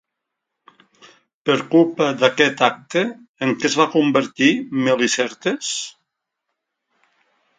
Per culpa d'aquest acte, en què es va convertir Melicertes?